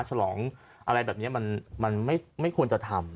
ฉลองอะไรแบบนี้มันไม่ควรจะทำ